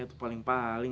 tidak apa apa sih wijek